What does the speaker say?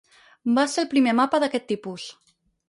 Va ser el primer mapa d'aquest tipus.